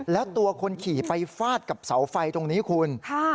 แล้วตัวคนขี่ไปฟาดกับเสาไฟตรงนี้คุณ